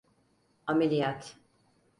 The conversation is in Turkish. Ameliyat.